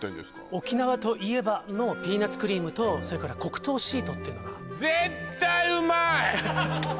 沖縄といえばのピーナツクリームとそれから黒糖シートっていうのが絶対うまい！